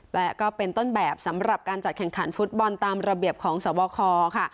และก็เป็นต้นแบบสำหรับการจัดแข่งขันฟุตบอลตามระเบียบของสวบคค่ะ